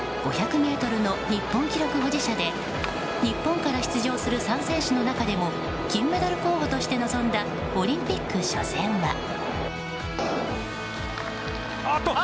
５００ｍの日本記録保持者で日本から出場する３選手の中でも金メダル候補として臨んだオリンピック初戦は。